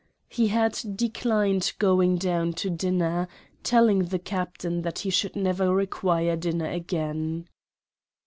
He had declined going down to dinner, telling the captain that he " should never require dinner again."